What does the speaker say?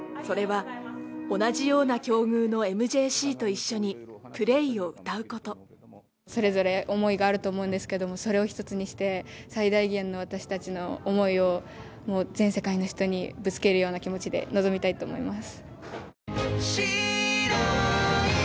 それは同じような境遇のＭＪＣと一緒に「Ｐｒａｙ」を歌うことそれぞれ思いがあると思うんですけどもそれを一つにして最大限の私達の思いを全世界の人にぶつけるような気持ちで臨みたいと思います。